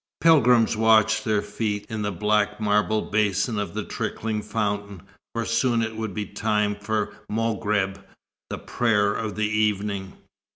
Pilgrims washed their feet in the black marble basin of the trickling fountain, for soon it would be time for moghreb, the prayer of the evening.